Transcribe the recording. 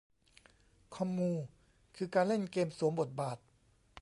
คอมมูคือการเล่นเกมสวมบทบาท